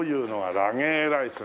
ラゲーライスです。